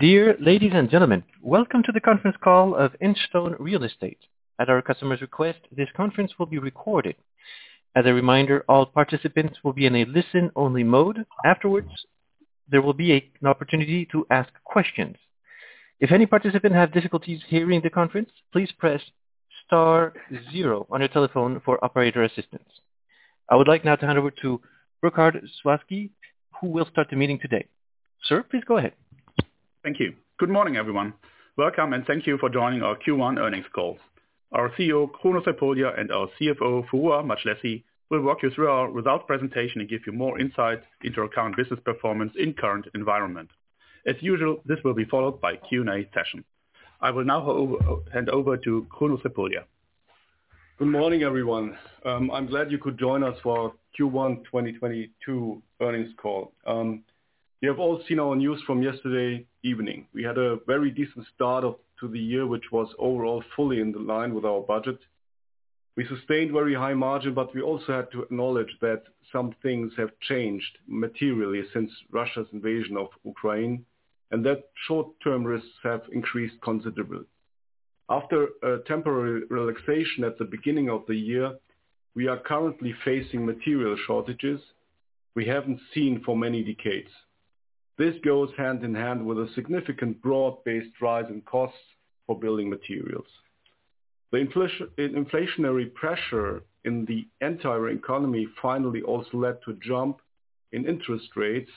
Dear ladies and gentlemen, welcome to the conference call of Instone Real Estate. At our customer's request, this conference will be recorded. As a reminder, all participants will be in a listen-only mode. Afterwards, there will be an opportunity to ask questions. If any participant have difficulties hearing the conference, please press star zero on your telephone for operator assistance. I would like now to hand over to Burkhard Sawazki, who will start the meeting today. Sir, please go ahead. Thank you. Good morning, everyone. Welcome, and thank you for joining our Q1 earnings call. Our CEO, Kruno Crepulja, and our CFO, Foruhar Madjlessi, will walk you through our results presentation and give you more insight into our current business performance in current environment. As usual, this will be followed by Q&A session. I will now hand over to Kruno Crepulja. Good morning, everyone. I'm glad you could join us for Q1 2022 earnings call. You have all seen our news from yesterday evening. We had a very decent start to the year, which was overall fully in line with our budget. We sustained very high margin, but we also had to acknowledge that some things have changed materially since Russia's invasion of Ukraine, and that short-term risks have increased considerably. After a temporary relaxation at the beginning of the year, we are currently facing material shortages we haven't seen for many decades. This goes hand in hand with a significant broad-based rise in costs for building materials. The inflationary pressure in the entire economy finally also led to a jump in interest rates,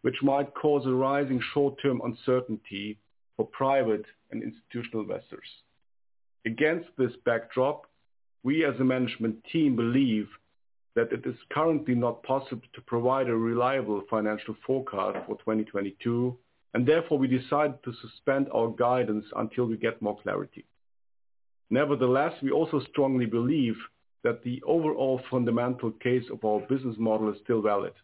which might cause a rise in short-term uncertainty for private and institutional investors. Against this backdrop, we, as a management team, believe that it is currently not possible to provide a reliable financial forecast for 2022, and therefore we decide to suspend our guidance until we get more clarity. Nevertheless, we also strongly believe that the overall fundamental case of our business model is still valid.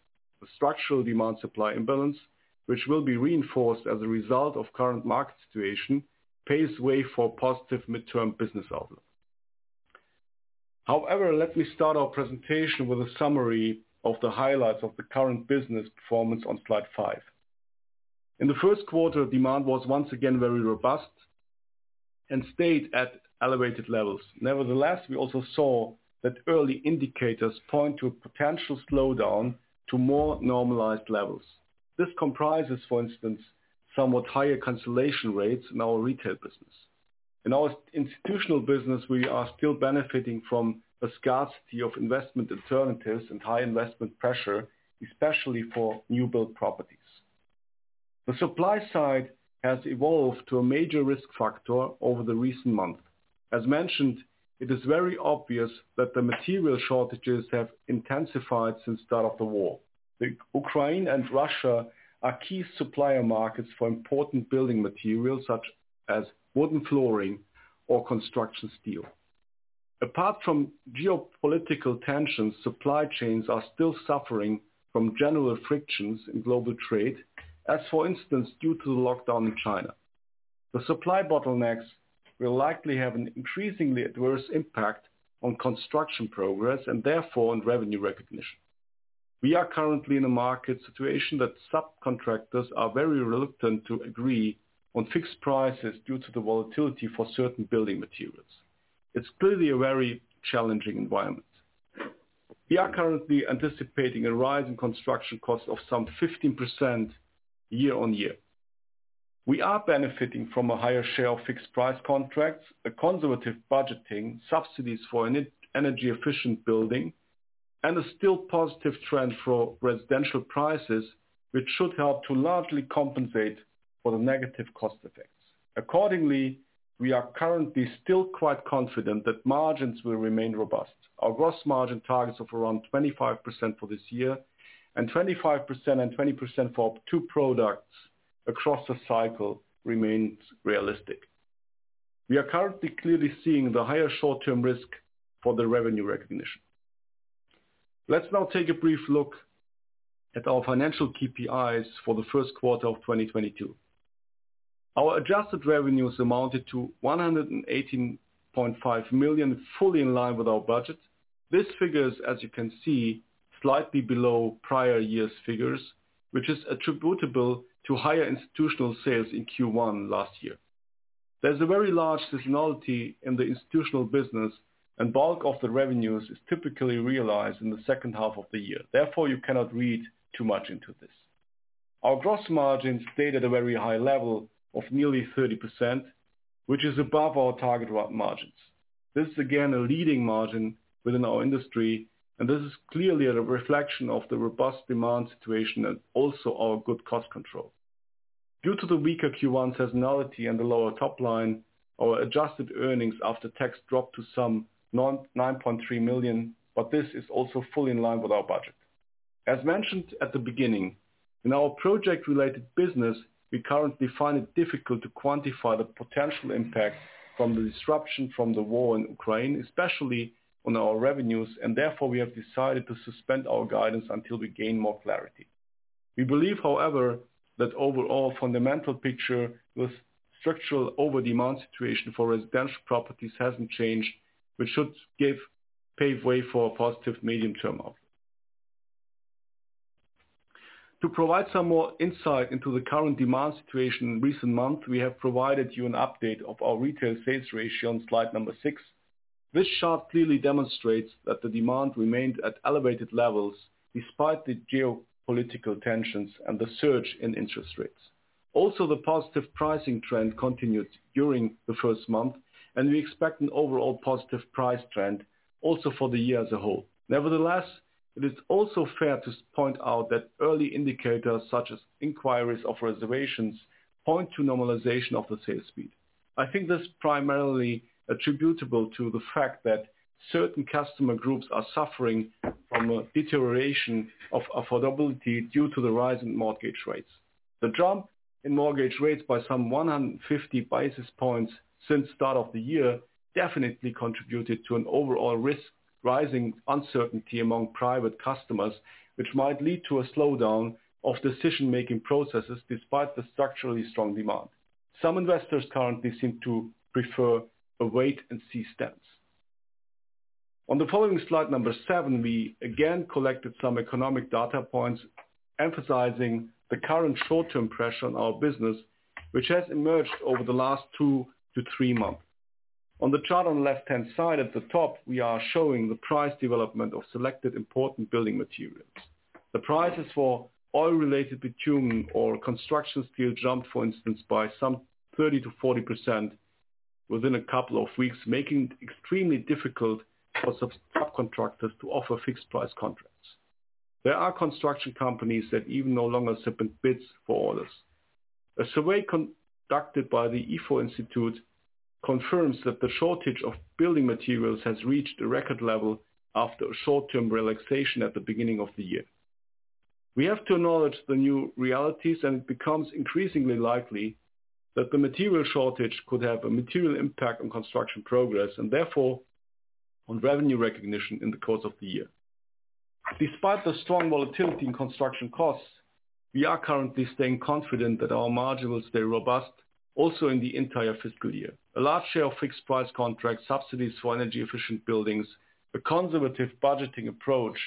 The structural demand-supply imbalance, which will be reinforced as a result of current market situation, paves the way for positive midterm business outlook. However, let me start our presentation with a summary of the highlights of the current business performance on slide five. In the first quarter, demand was once again very robust and stayed at elevated levels. Nevertheless, we also saw that early indicators point to a potential slowdown to more normalized levels. This comprises, for instance, somewhat higher cancellation rates in our retail business. In our institutional business, we are still benefiting from the scarcity of investment alternatives and high investment pressure, especially for new build properties. The supply side has evolved to a major risk factor over the recent months. As mentioned, it is very obvious that the material shortages have intensified since start of the war. The Ukraine and Russia are key supplier markets for important building materials such as wooden flooring or construction steel. Apart from geopolitical tensions, supply chains are still suffering from general frictions in global trade. For instance, due to the lockdown in China. The supply bottlenecks will likely have an increasingly adverse impact on construction progress and therefore on revenue recognition. We are currently in a market situation that subcontractors are very reluctant to agree on fixed prices due to the volatility for certain building materials. It's clearly a very challenging environment. We are currently anticipating a rise in construction costs of some 15% year-on-year. We are benefiting from a higher share of fixed price contracts, a conservative budgeting, subsidies for an energy-efficient building, and a still positive trend for residential prices, which should help to largely compensate for the negative cost effects. Accordingly, we are currently still quite confident that margins will remain robust. Our gross margin targets of around 25% for this year and 25% and 20% for two projects across the cycle remains realistic. We are currently clearly seeing the higher short-term risk for the revenue recognition. Let's now take a brief look at our financial KPIs for the first quarter of 2022. Our adjusted revenues amounted to 118.5 million, fully in line with our budget. This figure is, as you can see, slightly below prior year's figures, which is attributable to higher institutional sales in Q1 last year. There's a very large seasonality in the institutional business and bulk of the revenues is typically realized in the second half of the year. Therefore, you cannot read too much into this. Our gross margin stayed at a very high level of nearly 30%, which is above our target margins. This is again a leading margin within our industry, and this is clearly a reflection of the robust demand situation and also our good cost control. Due to the weaker Q1 seasonality and the lower top line, our adjusted earnings after tax dropped to some 9.3 million, but this is also fully in line with our budget. As mentioned at the beginning, in our project-related business, we currently find it difficult to quantify the potential impact from the disruption from the war in Ukraine, especially on our revenues, and therefore we have decided to suspend our guidance until we gain more clarity. We believe, however, that overall fundamental picture with structural over-demand situation for residential properties hasn't changed, which should pave way for a positive medium term outlook. To provide some more insight into the current demand situation in recent months, we have provided you an update of our retail sales ratio on slide number six. This chart clearly demonstrates that the demand remained at elevated levels despite the geopolitical tensions and the surge in interest rates. Also, the positive pricing trend continued during the first month, and we expect an overall positive price trend also for the year as a whole. Nevertheless, it is also fair to point out that early indicators such as inquiries of reservations point to normalization of the sales speed. I think that's primarily attributable to the fact that certain customer groups are suffering from a deterioration of affordability due to the rise in mortgage rates. The jump in mortgage rates by some 150 basis points since start of the year definitely contributed to an overall risk, rising uncertainty among private customers, which might lead to a slowdown of decision-making processes despite the structurally strong demand. Some investors currently seem to prefer a wait and see stance. On the following slide number seven, we again collected some economic data points emphasizing the current short-term pressure on our business, which has emerged over the last two-three months. On the chart on left-hand side at the top, we are showing the price development of selected important building materials. The prices for oil-related bitumen or construction steel jumped, for instance, by some 30%-40% within a couple of weeks, making it extremely difficult for sub-subcontractors to offer fixed price contracts. There are construction companies that even no longer submit bids for orders. A survey conducted by the ifo Institute confirms that the shortage of building materials has reached a record level after a short-term relaxation at the beginning of the year. We have to acknowledge the new realities, and it becomes increasingly likely that the material shortage could have a material impact on construction progress and therefore on revenue recognition in the course of the year. Despite the strong volatility in construction costs, we are currently staying confident that our margin will stay robust also in the entire fiscal year. A large share of fixed price contracts, subsidies for energy efficient buildings, the conservative budgeting approach,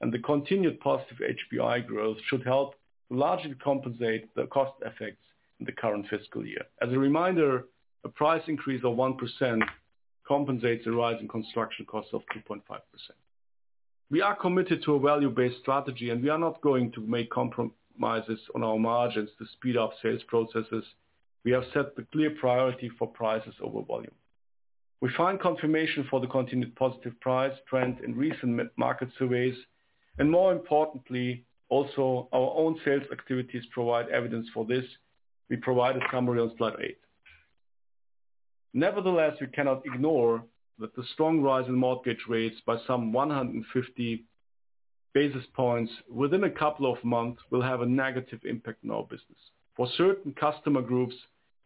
and the continued positive HPI growth should help to largely compensate the cost effects in the current fiscal year. As a reminder, a price increase of 1% compensates a rise in construction costs of 2.5%. We are committed to a value-based strategy, and we are not going to make compromises on our margins to speed up sales processes. We have set the clear priority for prices over volume. We find confirmation for the continued positive price trend in recent market surveys, and more importantly, also our own sales activities provide evidence for this. We provide a summary on slide eight. Nevertheless, we cannot ignore that the strong rise in mortgage rates by some 150 basis points within a couple of months will have a negative impact on our business. For certain customer groups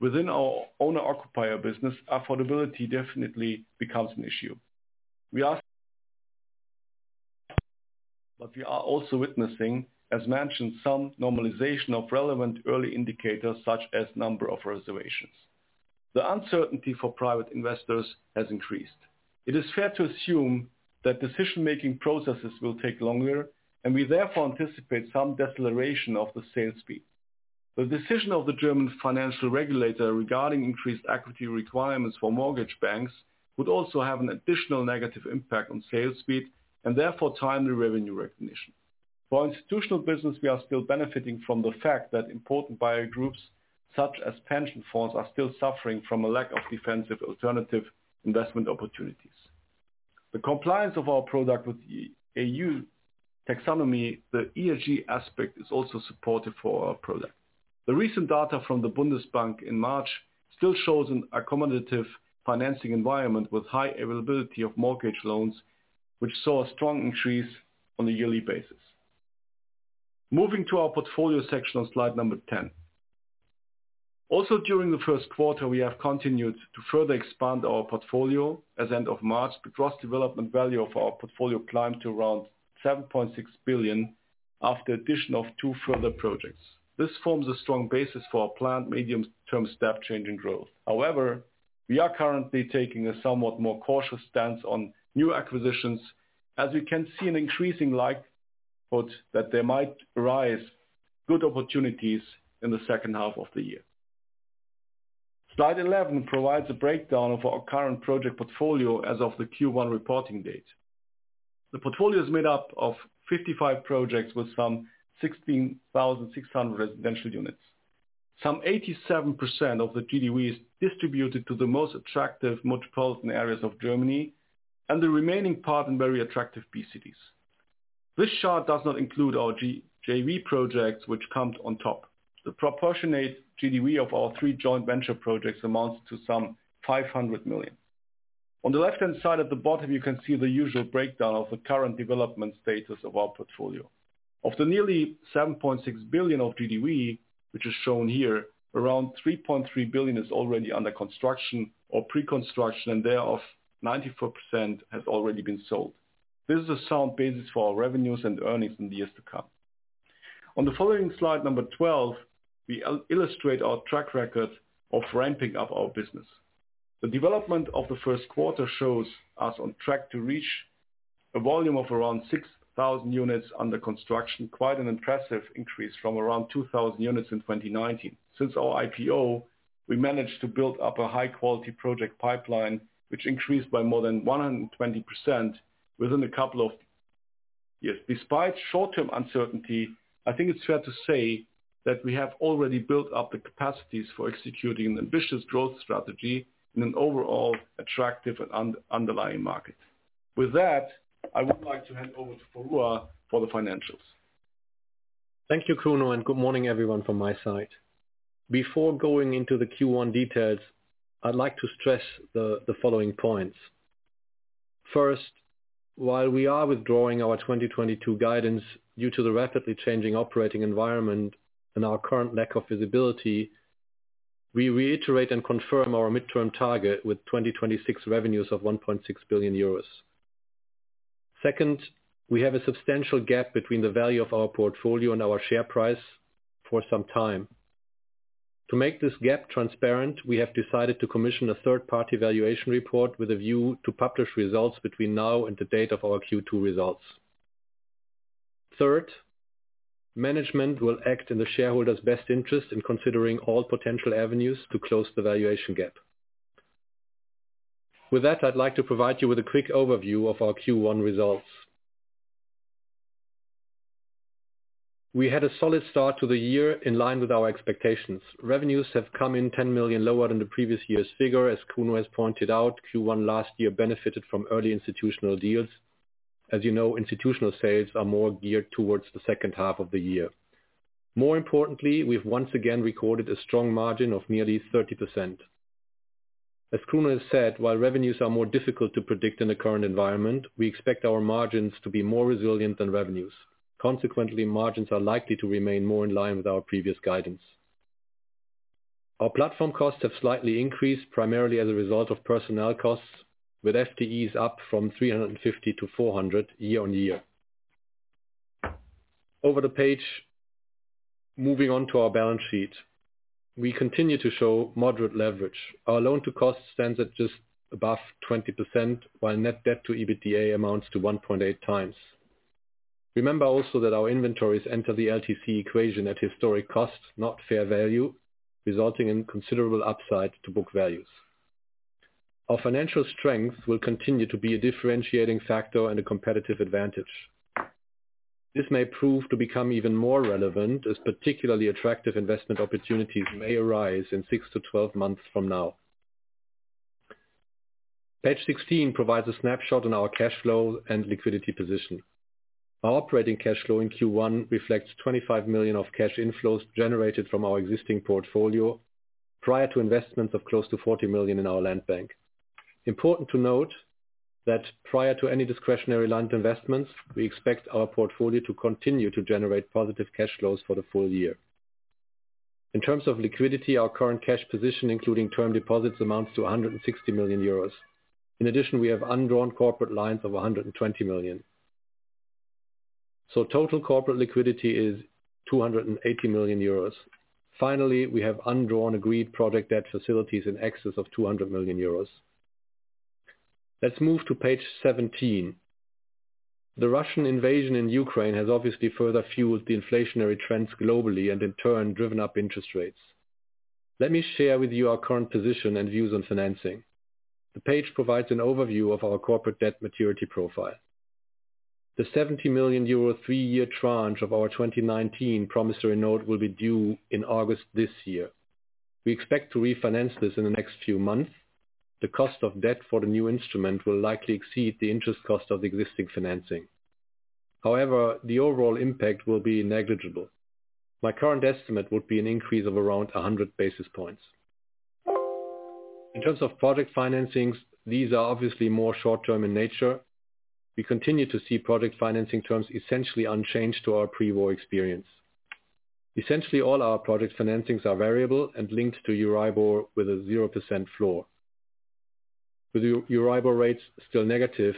within our owner-occupier business, affordability definitely becomes an issue. We are also witnessing, as mentioned, some normalization of relevant early indicators such as number of reservations. The uncertainty for private investors has increased. It is fair to assume that decision-making processes will take longer, and we therefore anticipate some deceleration of the sales speed. The decision of the German financial regulator regarding increased equity requirements for mortgage banks would also have an additional negative impact on sales speed, and therefore timely revenue recognition. For institutional business, we are still benefiting from the fact that important buyer groups such as pension funds are still suffering from a lack of defensive alternative investment opportunities. The compliance of our product with EU taxonomy, the ESG aspect is also supportive for our product. The recent data from the Bundesbank in March still shows an accommodative financing environment with high availability of mortgage loans, which saw a strong increase on a yearly basis. Moving to our portfolio section on slide number 10. Also during the first quarter, we have continued to further expand our portfolio. As of end of March, the gross development value of our portfolio climbed to around 7.6 billion after addition of two further projects. This forms a strong basis for our planned medium-term step change in growth. However, we are currently taking a somewhat more cautious stance on new acquisitions, as we can see an increasing likelihood that there might arise good opportunities in the second half of the year. Slide 11 provides a breakdown of our current project portfolio as of the Q1 reporting date. The portfolio is made up of 55 projects with some 16,600 residential units. Some 87% of the GDV is distributed to the most attractive metropolitan areas of Germany and the remaining part in very attractive B-cities. This chart does not include our G-JV projects, which comes on top. The proportionate GDV of our three joint venture projects amounts to some 500 million. On the left-hand side at the bottom, you can see the usual breakdown of the current development status of our portfolio. Of the nearly 7.6 billion of GDV, which is shown here, around 3.3 billion is already under construction or pre-construction, and thereof, 94% has already been sold. This is a sound basis for our revenues and earnings in the years to come. On the following slide number 12, we illustrate our track record of ramping up our business. The development of the first quarter shows us on track to reach a volume of around 6,000 units under construction. Quite an impressive increase from around 2,000 units in 2019. Since our IPO, we managed to build up a high quality project pipeline, which increased by more than 120% within a couple of years. Despite short-term uncertainty, I think it's fair to say that we have already built up the capacities for executing an ambitious growth strategy in an overall attractive underlying market. With that, I would like to hand over to Foruhar Madjlessi for the financials. Thank you, Kruno, and good morning everyone from my side. Before going into the Q1 details, I'd like to stress the following points. First, while we are withdrawing our 2022 guidance due to the rapidly changing operating environment and our current lack of visibility, we reiterate and confirm our midterm target with 2026 revenues of 1.6 billion euros. Second, we have a substantial gap between the value of our portfolio and our share price for some time. To make this gap transparent, we have decided to commission a third party valuation report with a view to publish results between now and the date of our Q2 results. Third, management will act in the shareholders best interest in considering all potential avenues to close the valuation gap. With that, I'd like to provide you with a quick overview of our Q1 results. We had a solid start to the year in line with our expectations. Revenues have come in 10 million lower than the previous year's figure as Kruno has pointed out. Q1 last year benefited from early institutional deals. As you know, institutional sales are more geared towards the second half of the year. More importantly, we've once again recorded a strong margin of nearly 30%. As Kruno has said, while revenues are more difficult to predict in the current environment, we expect our margins to be more resilient than revenues. Consequently, margins are likely to remain more in line with our previous guidance. Our platform costs have slightly increased, primarily as a result of personnel costs, with FTEs up from 350 to 400 year-on-year. Over the page, moving on to our balance sheet. We continue to show moderate leverage. Our loan to cost stands at just above 20%, while net debt to EBITDA amounts to 1.8 times. Remember also that our inventories enter the LTC equation at historic cost, not fair value, resulting in considerable upside to book values. Our financial strength will continue to be a differentiating factor and a competitive advantage. This may prove to become even more relevant as particularly attractive investment opportunities may arise in 6-12 months from now. Page 16 provides a snapshot on our cash flow and liquidity position. Our operating cash flow in Q1 reflects 25 million of cash inflows generated from our existing portfolio prior to investments of close to 40 million in our land bank. Important to note that prior to any discretionary land investments, we expect our portfolio to continue to generate positive cash flows for the full year. In terms of liquidity, our current cash position, including term deposits, amounts to 160 million euros. In addition, we have undrawn corporate lines of 120 million. Total corporate liquidity is 280 million euros. Finally, we have undrawn agreed project debt facilities in excess of 200 million euros. Let's move to page 17. The Russian invasion in Ukraine has obviously further fueled the inflationary trends globally and in turn driven up interest rates. Let me share with you our current position and views on financing. The page provides an overview of our corporate debt maturity profile. The 70 million euro three-year tranche of our 2019 promissory note will be due in August this year. We expect to refinance this in the next few months. The cost of debt for the new instrument will likely exceed the interest cost of the existing financing. However, the overall impact will be negligible. My current estimate would be an increase of around 100 basis points. In terms of project financings, these are obviously more short-term in nature. We continue to see project financing terms essentially unchanged to our pre-war experience. Essentially all our project financings are variable and linked to EURIBOR with a 0% floor. With EURIBOR rates still negative,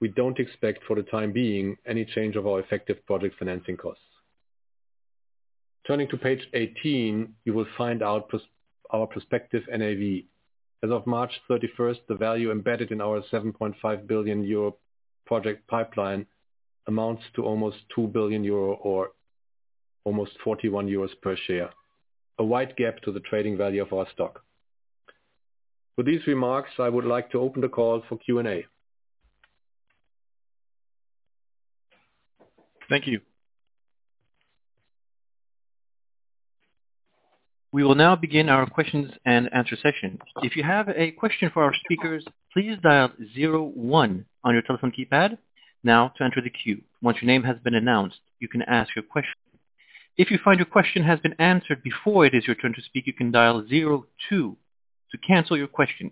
we don't expect for the time being any change of our effective project financing costs. Turning to page 18, you will find our prospective NAV. As of March 31st, the value embedded in our 7.5 billion euro project pipeline amounts to almost 2 billion euro or almost 41 euros per share. A wide gap to the trading value of our stock. With these remarks, I would like to open the call for Q&A. Thank you. We will now begin our questions and answer session. If you have a question for our speakers, please dial zero one on your telephone keypad now to enter the queue. Once your name has been announced, you can ask your question. If you find your question has been answered before it is your turn to speak, you can dial zero two to cancel your question.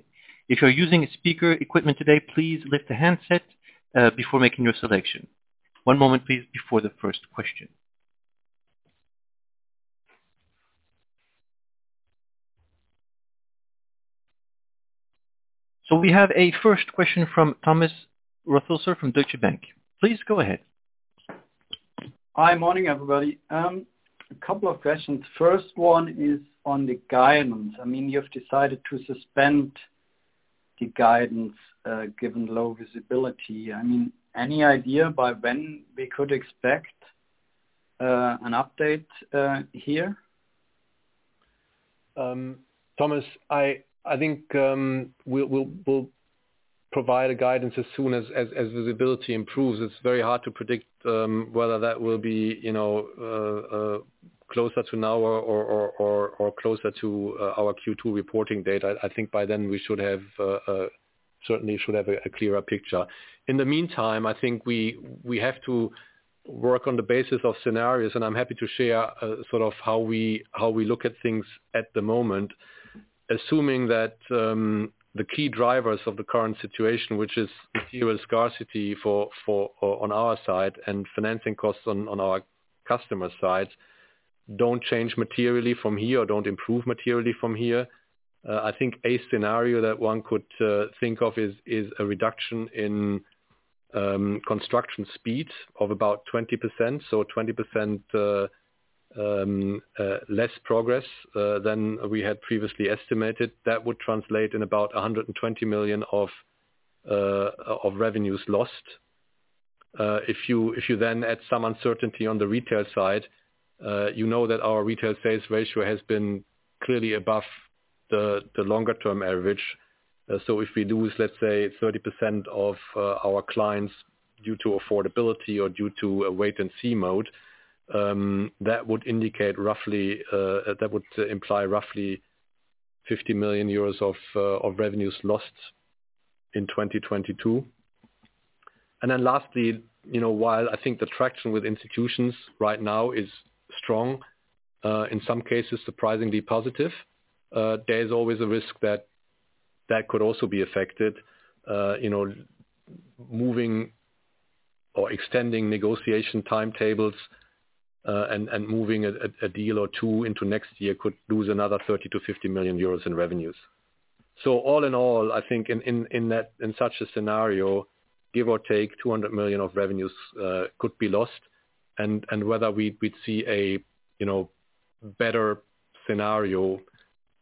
If you're using speaker equipment today, please lift the handset before making your selection. One moment please before the first question. We have a first question from Thomas Rothäusler from Deutsche Bank. Please go ahead. Hi. Morning, everybody. A couple of questions. First one is on the guidance. I mean, you have decided to suspend the guidance, given low visibility. I mean, any idea by when we could expect an update here? Thomas, I think we'll provide a guidance as soon as visibility improves. It's very hard to predict whether that will be, you know, closer to now or closer to our Q2 reporting date. I think by then we should certainly have a clearer picture. In the meantime, I think we have to work on the basis of scenarios, and I'm happy to share sort of how we look at things at the moment. Assuming that the key drivers of the current situation, which is material scarcity on our side and financing costs on our customer side, don't change materially from here or don't improve materially from here. I think a scenario that one could think of is a reduction in construction speeds of about 20%, so 20% less progress than we had previously estimated. That would translate in about 120 million of revenues lost. If you then add some uncertainty on the retail side, you know that our retail sales ratio has been clearly above the longer term average. If we lose, let's say, 30% of our clients due to affordability or due to a wait-and-see mode, that would imply roughly 50 million euros of revenues lost in 2022. Lastly, you know, while I think the traction with institutions right now is strong, in some cases surprisingly positive, there's always a risk that that could also be affected. You know, moving or extending negotiation timetables, and moving a deal or two into next year could lose another 30 million-50 million euros in revenues. All in all, I think in such a scenario, give or take 200 million of revenues could be lost. Whether we'd see a better scenario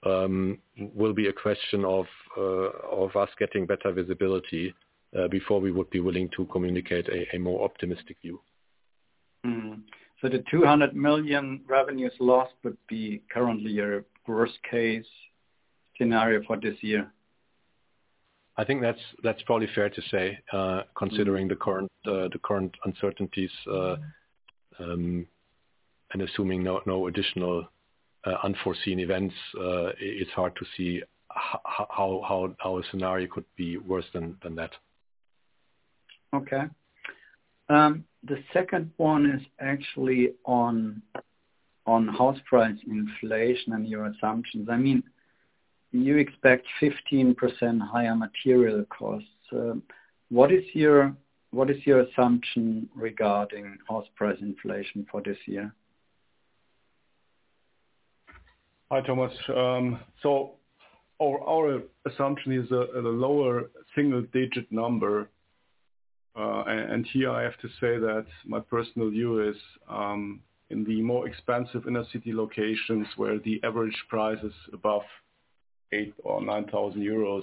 will be a question of us getting better visibility before we would be willing to communicate a more optimistic view. 200 million revenues lost would be currently your worst case scenario for this year? I think that's probably fair to say, considering the current uncertainties. Assuming no additional unforeseen events, it's hard to see how a scenario could be worse than that. Okay. The second one is actually on house price inflation and your assumptions. I mean, you expect 15% higher material costs. What is your assumption regarding house price inflation for this year? Hi, Thomas. Our assumption is at a lower single digit number. Here I have to say that my personal view is in the more expensive inner city locations where the average price is above 8 thousand or 9 thousand euros,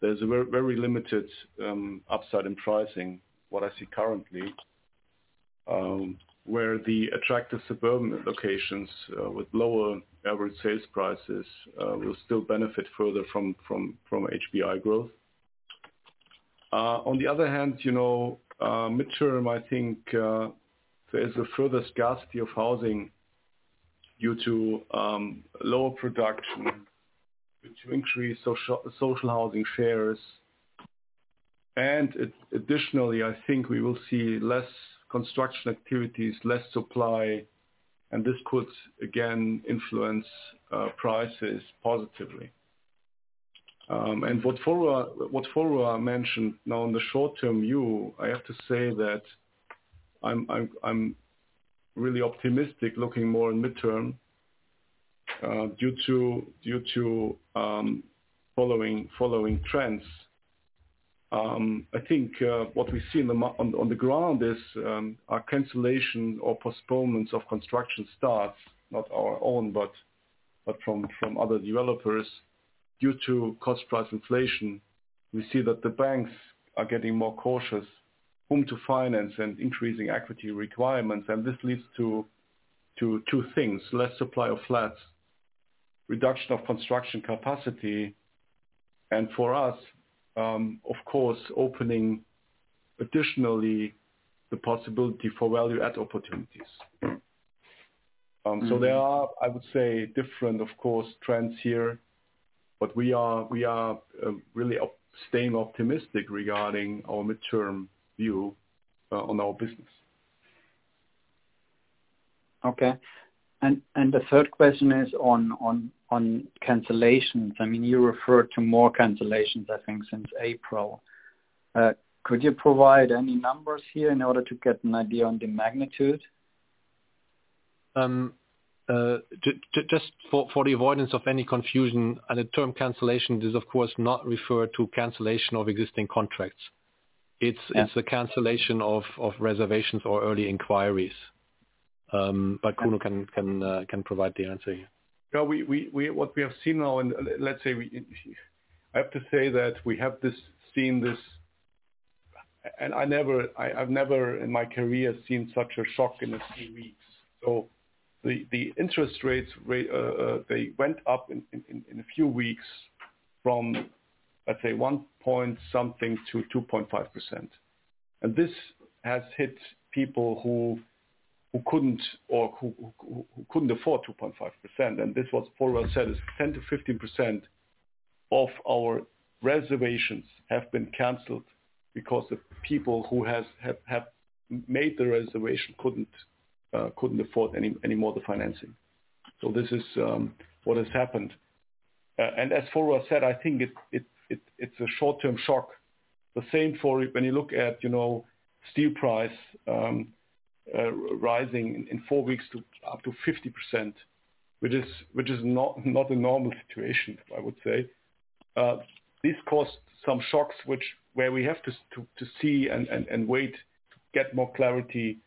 there's a very limited upside in pricing, what I see currently. Where the attractive suburban locations with lower average sales prices will still benefit further from HPI growth. On the other hand, you know, midterm, I think there's a further scarcity of housing due to lower production to increase social housing shares. Additionally, I think we will see less construction activities, less supply, and this could again influence prices positively. What Foruhar Madjlessi mentioned. Now, on the short-term view, I have to say that I'm really optimistic looking more in mid-term, due to following trends. I think what we see on the ground is a cancellation or postponements of construction starts, not our own, but from other developers due to cost-price inflation. We see that the banks are getting more cautious whom to finance and increasing equity requirements. This leads to two things, less supply of flats, reduction of construction capacity, and for us, of course, opening additionally the possibility for value-add opportunities. There are, I would say, different, of course, trends here, but we are really staying optimistic regarding our mid-term view on our business. Okay. The third question is on cancellations. I mean, you referred to more cancellations, I think, since April. Could you provide any numbers here in order to get an idea on the magnitude? Just for the avoidance of any confusion, the term cancellation does of course not refer to cancellation of existing contracts. Yeah. It's a cancellation of reservations or early inquiries. But Kruno can provide the answer here. What we have seen now in, let's say, I have to say that we have seen this, and I've never in my career seen such a shock in a few weeks. The interest rates they went up in a few weeks from, let's say, 1 point something to 2.5%. This has hit people who couldn't afford 2.5%. This was, Foruhar said, it's 10%-15% of our reservations have been canceled because the people who have made the reservation couldn't afford any more the financing. This is what has happened. As Foruhar said, I think it's a short-term shock. The same for it when you look at, you know, steel price rising in four weeks to up to 50%, which is not a normal situation, I would say. This caused some shocks which we have to see and wait, get more clarity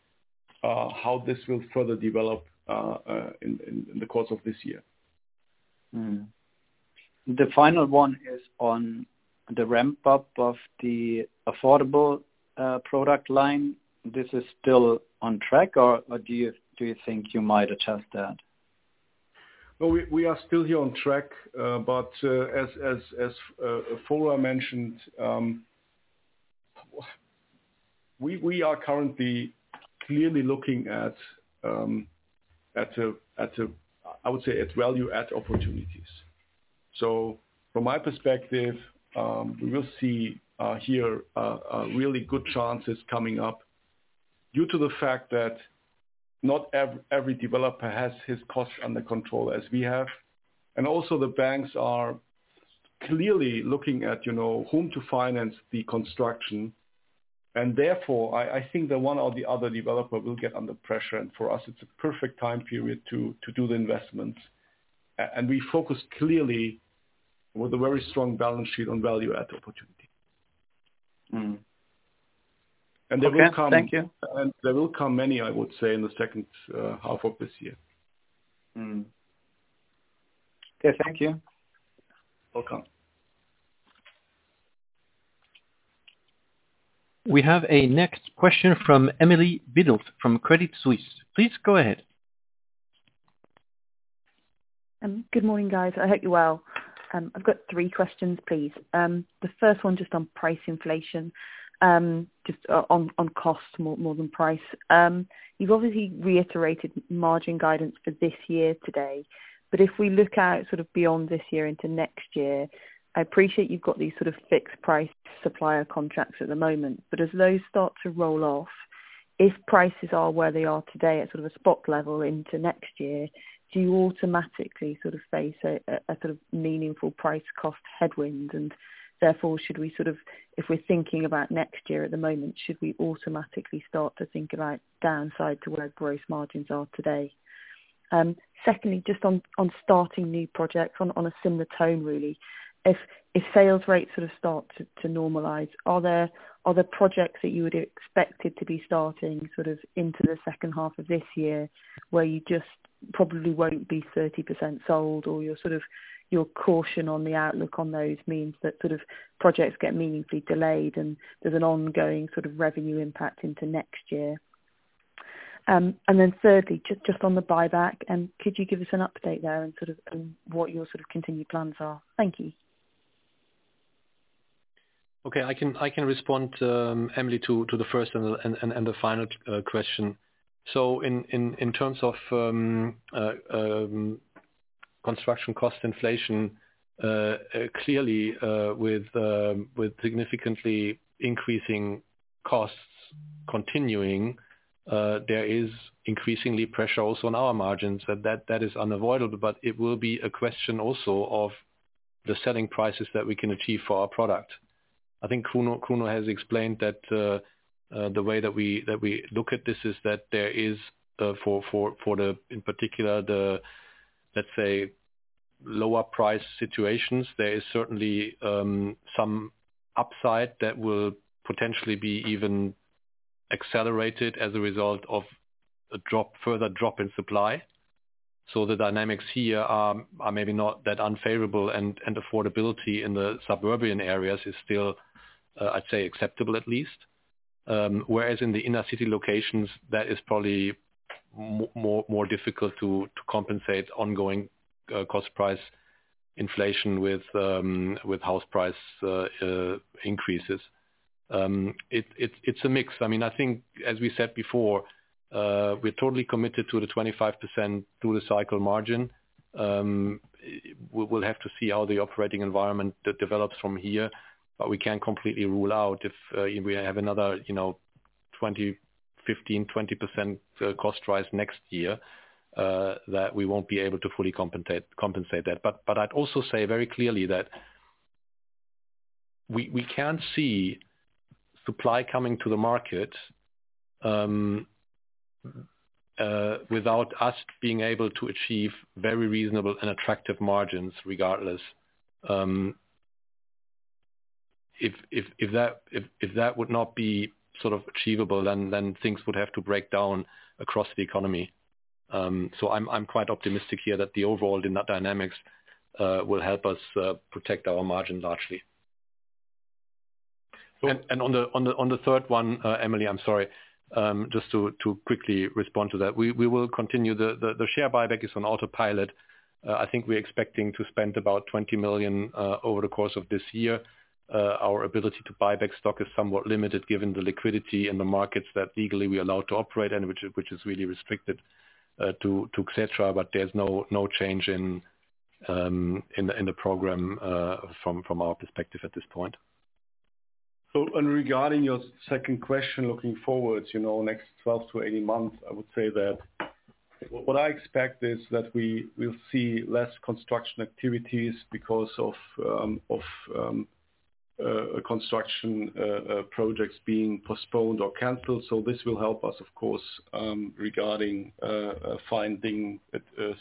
in the course of this year. The final one is on the ramp-up of the affordable product line. This is still on track or do you think you might adjust that? No, we are still here on track. But as Foruhar mentioned, we are currently clearly looking at a value add opportunities. I would say. From my perspective, we will see really good chances coming up due to the fact that not every developer has his costs under control as we have. Also the banks are clearly looking at, you know, whom to finance the construction. Therefore, I think that one or the other developer will get under pressure. For us, it's a perfect time period to do the investments. We focus clearly with a very strong balance sheet on value add opportunity. Okay. Thank you. There will come many, I would say, in the second half of this year. Okay. Thank you. Welcome. We have a next question from Emily from Credit Suisse. Please go ahead. Good morning, guys. I hope you're well. I've got three questions, please. The first one just on price inflation, just on cost more than price. You've obviously reiterated margin guidance for this year today. If we look out sort of beyond this year into next year, I appreciate you've got these sort of fixed price supplier contracts at the moment. As those start to roll off, if prices are where they are today at sort of a spot level into next year, do you automatically sort of face a sort of meaningful price cost headwind? Therefore, should we sort of, if we're thinking about next year at the moment, should we automatically start to think about downside to where gross margins are today? Secondly, just on starting new projects on a similar tone, really. If sales rates sort of start to normalize, are there projects that you would expected to be starting sort of into the second half of this year where you just probably won't be 30% sold or your caution on the outlook on those means that sort of projects get meaningfully delayed and there's an ongoing sort of revenue impact into next year? Thirdly, just on the buyback, could you give us an update there and sort of what your continued plans are? Thank you. Okay. I can respond, Emily, to the first and the final question. In terms of construction cost inflation, clearly, with significantly increasing costs continuing, there is increasing pressure also on our margins. That is unavoidable, but it will be a question also of the selling prices that we can achieve for our product. I think Kruno Crepulja has explained that, the way that we look at this is that there is, for, in particular, the, let's say, lower price situations, there is certainly some upside that will potentially be even accelerated as a result of a further drop in supply. The dynamics here are maybe not that unfavorable, and affordability in the suburban areas is still, I'd say, acceptable at least. Whereas in the inner city locations, that is probably more difficult to compensate ongoing cost price inflation with house price increases. It's a mix. I mean, I think as we said before, we're totally committed to the 25% through the cycle margin. We'll have to see how the operating environment develops from here, but we can't completely rule out if we have another, you know, 15%-20% cost rise next year, that we won't be able to fully compensate that. I'd also say very clearly that we can't see supply coming to the market without us being able to achieve very reasonable and attractive margins regardless. If that would not be sort of achievable, then things would have to break down across the economy. I'm quite optimistic here that the overall dynamics will help us protect our margin largely. So- On the third one, Emily, I'm sorry. Just to quickly respond to that. We will continue the share buyback is on autopilot. I think we're expecting to spend about 20 million over the course of this year. Our ability to buy back stock is somewhat limited given the liquidity in the markets that legally we are allowed to operate in, which is really restricted to et cetera. But there's no change in the program from our perspective at this point. Regarding your second question, looking forward, you know, next 12 to 18 months, I would say that what I expect is that we will see less construction activities because of construction projects being postponed or canceled. This will help us, of course, regarding finding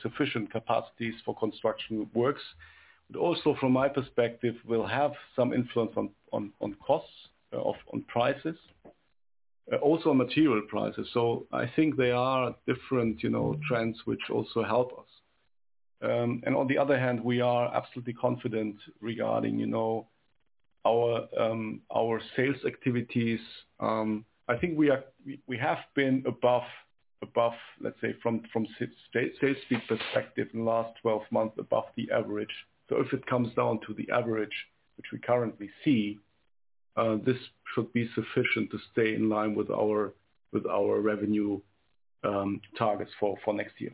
sufficient capacities for construction works. Also from my perspective, will have some influence on costs of on prices also material prices. I think there are different, you know, trends which also help us. And on the other hand, we are absolutely confident regarding, you know, our sales activities. I think we have been above, let's say, from safety perspective in the last 12 months above the average. If it comes down to the average, which we currently see, this should be sufficient to stay in line with our revenue targets for next year.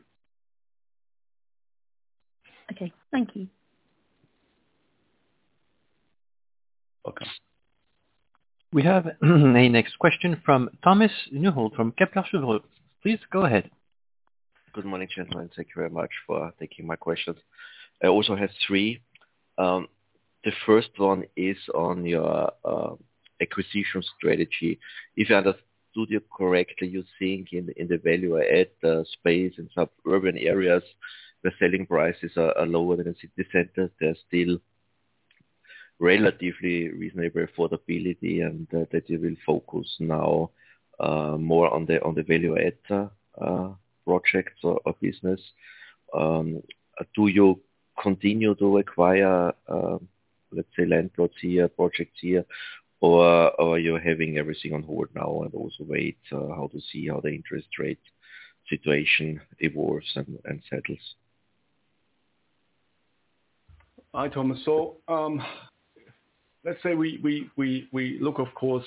Okay. Thank you. Welcome. We have the next question from Thomas Neuhold from Kepler Cheuvreux. Please go ahead. Good morning, gentlemen. Thank you very much for taking my questions. I also have three. The first one is on your acquisition strategy. If I understood you correctly, you think in the value add space in suburban areas, the selling prices are lower than city center. They're still relatively reasonable affordability, and that you will focus now more on the value add project or business. Do you continue to acquire, let's say land plots here, projects here or you're having everything on hold now and also wait to see how the interest rate situation evolves and settles? Hi, Thomas. Let's say we look of course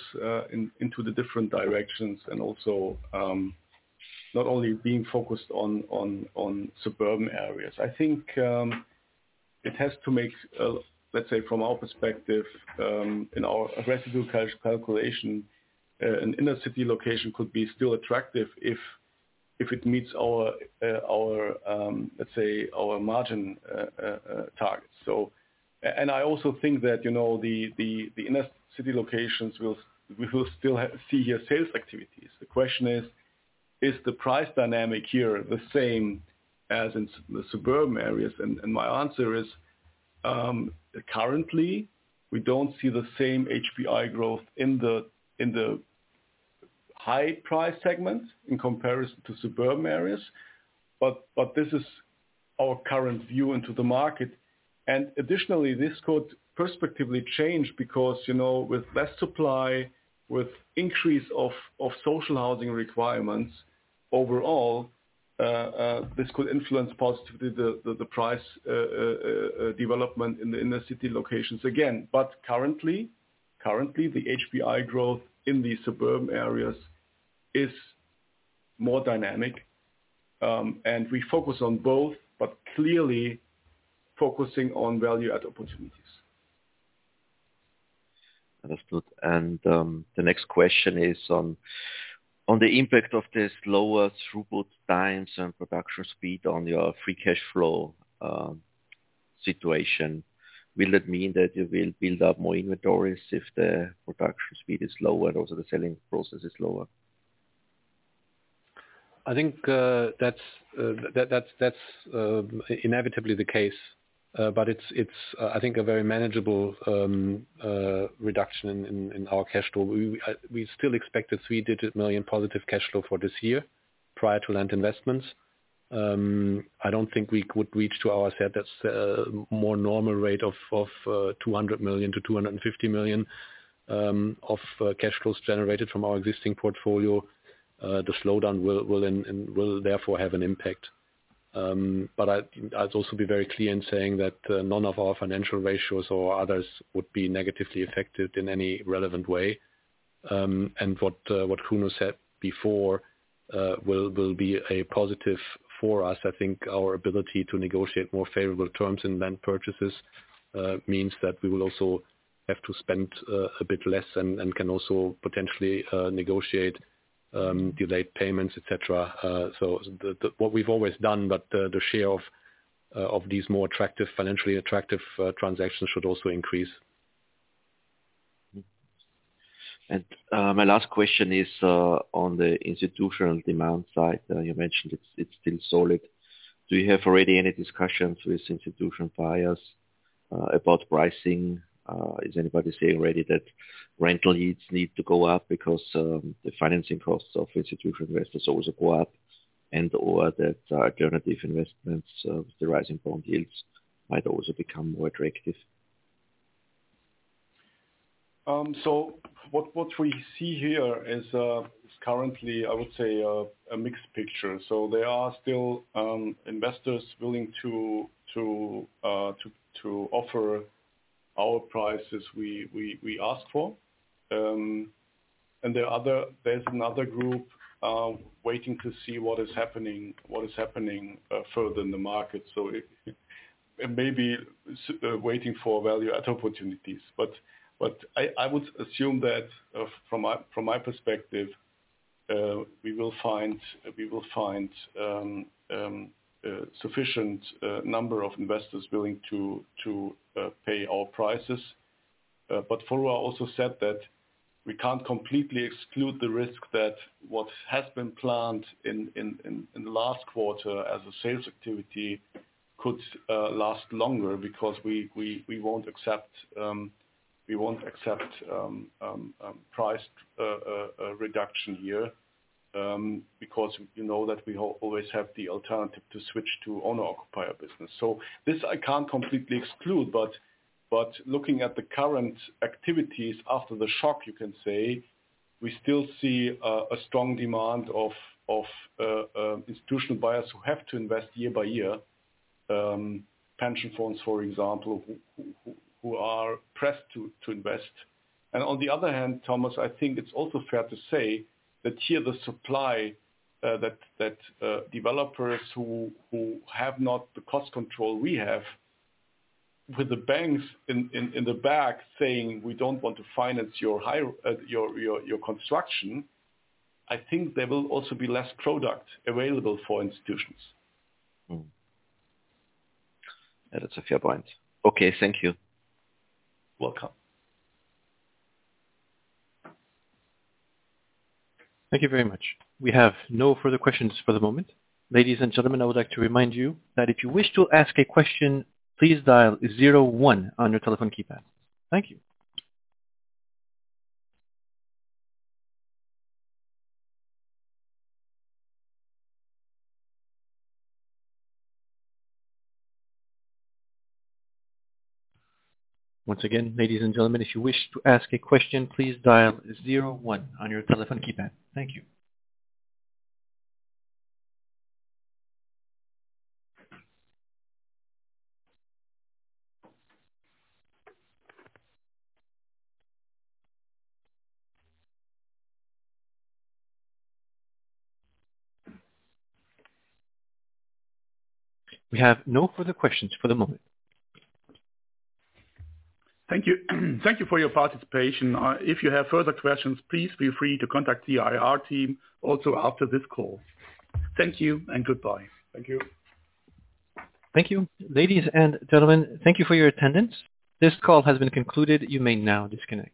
into the different directions and also not only being focused on suburban areas. I think it has to make, let's say from our perspective, in our residual cash calculation, an inner city location could be still attractive if it meets our, let's say, our margin target. I also think that, you know, the inner city locations will. We will still see higher sales activities. The question is the price dynamic here the same as in the suburban areas? My answer is, currently, we don't see the same HPI growth in the high price segments in comparison to suburban areas. This is our current view into the market. Additionally, this could prospectively change because, you know, with less supply, with increase of social housing requirements overall, this could influence positively the price development in the inner city locations. Again, but currently, the HPI growth in these suburban areas is more dynamic. We focus on both, but clearly focusing on value add opportunities. Understood. The next question is on the impact of this lower throughput times and production speed on your free cash flow situation. Will it mean that you will build up more inventories if the production speed is lower and also the selling process is lower? I think that's inevitably the case. It's I think a very manageable reduction in our cash flow. We still expect a three-digit million EUR positive cash flow for this year prior to land investments. I don't think we could reach to our target. That's a more normal rate of 200 million-250 million of cash flows generated from our existing portfolio. The slowdown will then and therefore have an impact. I'd also be very clear in saying that none of our financial ratios or others would be negatively affected in any relevant way. What Kruno said before will be a positive for us. I think our ability to negotiate more favorable terms in land purchases means that we will also have to spend a bit less and can also potentially negotiate delayed payments, et cetera. What we've always done, but the share of these more attractive, financially attractive transactions should also increase. My last question is on the institutional demand side. You mentioned it's been solid. Do you have already any discussions with institutional buyers about pricing? Is anybody saying already that rental yields need to go up because the financing costs of institutional investors also go up and/or that alternative investments or the rising bond yields might also become more attractive? What we see here is currently, I would say, a mixed picture. There are still investors willing to offer our prices we ask for. There are other. There's another group waiting to see what is happening further in the market. It may be waiting for value add opportunities. I would assume that from my perspective we will find sufficient number of investors willing to pay our prices. Foruhar also said that we can't completely exclude the risk that what has been planned in the last quarter as a sales activity could last longer because we won't accept price reduction here. Because you know that we always have the alternative to switch to owner-occupier business. This I can't completely exclude, but looking at the current activities after the shock, you can say, we still see a strong demand of institutional buyers who have to invest year by year. Pension funds, for example, who are pressed to invest. On the other hand, Thomas, I think it's also fair to say that here the supply that developers who have not the cost control we have with the banks in the back saying, "We don't want to finance your construction." I think there will also be less product available for institutions. That is a fair point. Okay. Thank you. Welcome. Thank you very much. We have no further questions for the moment. Ladies and gentlemen, I would like to remind you that if you wish to ask a question, please dial zero one on your telephone keypad. Thank you. Once again, ladies and gentlemen, if you wish to ask a question, please dial zero one on your telephone keypad. Thank you. We have no further questions for the moment. Thank you. Thank you for your participation. If you have further questions, please feel free to contact the IR team also after this call. Thank you and goodbye. Thank you. Thank you. Ladies and gentlemen, thank you for your attendance. This call has been concluded. You may now disconnect.